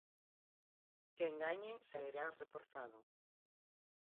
Quen gañe sairá reforzado.